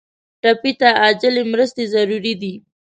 ټپي ته عاجل مرستې ضروري دي.